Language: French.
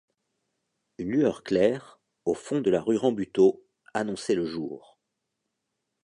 Une lueur claire, au fond de la rue Rambuteau, annonçait le jour.